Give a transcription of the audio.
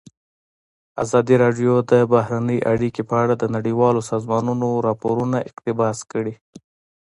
ازادي راډیو د بهرنۍ اړیکې په اړه د نړیوالو سازمانونو راپورونه اقتباس کړي.